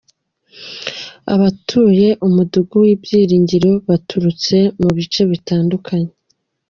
Abatuye Umudugudu w’Ibyiringiro, baturutse mu bice bitandukanye.